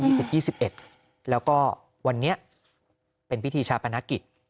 ยี่สิบยี่สิบเอ็ดแล้วก็วันนี้เป็นพิธีชาปนักกิจ